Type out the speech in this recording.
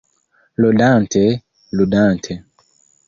Ludante, ludante.